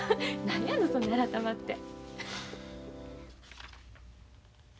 何やのそない改まって。